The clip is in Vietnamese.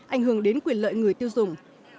ảnh hưởng đến quyền lợi người tiêu dùng